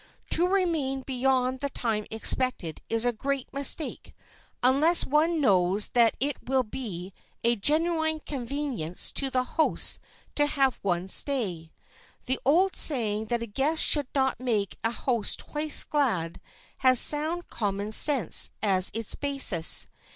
To remain beyond the time expected is a great mistake, unless one knows that it will be a genuine convenience to the hosts to have one stay. The old saying that a guest should not make a host twice glad has sound common sense as its basis.